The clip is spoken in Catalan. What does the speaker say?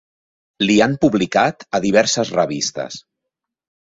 Li han publicat a diverses revistes.